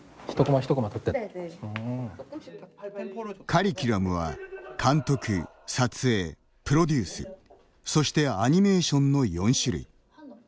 カリキュラムは監督、撮影、プロデュースそしてアニメーションの４種類。